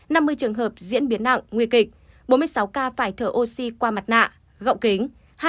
năm mươi trường hợp diễn biến nặng nguy kịch bốn mươi sáu ca phải thở oxy qua mặt nạ gậu kính